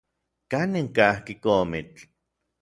¿Kanin kajki komitl?